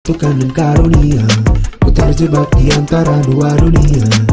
tukang dan karunia ku terjebak di antara dua dunia